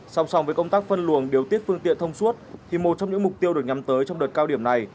song song với công tác phân luồng điều tiết phương tiện thông suốt thì một trong những mục tiêu được nhắm tới trong đợt cao điểm này